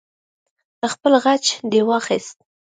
خپل غچ دې واخست.